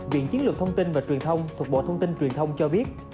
viện chiến lược thông tin và truyền thông thuộc bộ thông tin truyền thông cho biết